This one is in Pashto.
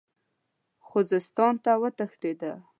خوزستان ته وتښتېد.